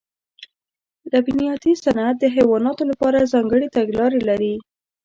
لبنیاتي صنعت د حیواناتو لپاره ځانګړې تګلارې لري.